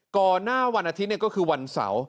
ก่อนหน้าวันอาทิตย์ก็คือวันเสาร์